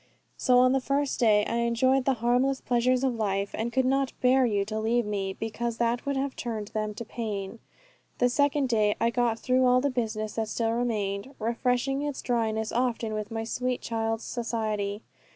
So on the first day I enjoyed the harmless pleasures of life, and could not bear you to leave me, because that would have turned them to pain. The second day I got through all the business that still remained, refreshing its dryness often with my sweet child's society.